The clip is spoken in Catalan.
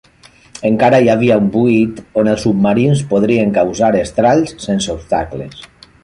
Encara hi havia un buit on els submarins podrien causar estralls sense obstacles.